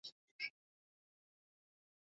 Kwetu ni kakamega